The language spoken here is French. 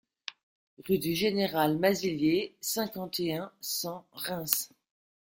Rue du Général Mazillier, cinquante et un, cent Reims